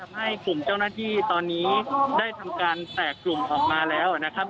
ให้กลุ่มเจ้าหน้าที่ตอนนี้ได้ทำการแตกกลุ่มออกมาแล้วนะครับ